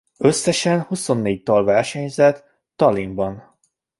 Összesen huszonnégy dal versenyzett Tallinnban.